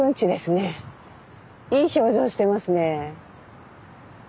いい表情してますね。